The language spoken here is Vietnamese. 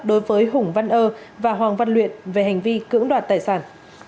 đối với hùng văn ơ và hoàng văn luyện về hành vi cưỡng đoạt tài sản